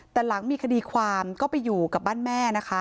แต่หลังมีคดีความก็ไปอยู่กับบ้านแม่นะคะ